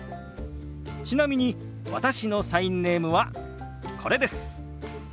ちなみに私のサインネームはこれです。